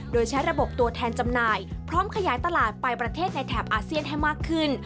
โดยใช้ระบบตัวแทนจำหน่ายพร้อมขยายตลาดไปประเทศในแถบอาเซียนให้มากขึ้น